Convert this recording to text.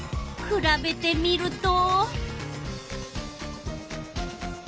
くらべてみると。